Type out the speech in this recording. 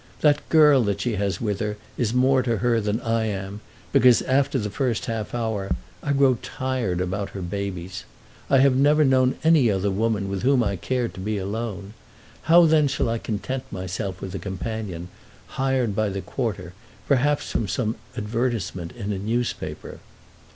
That girl that she has with her is more to her than I am, because after the first half hour I grow tired about her babies. I have never known any other woman with whom I cared to be alone. How then shall I content myself with a companion, hired by the quarter, perhaps from some advertisement in a newspaper?